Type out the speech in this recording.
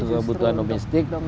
justru itu kebutuhan domestik